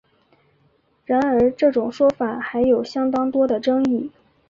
然而这种说法还有相当多的争议。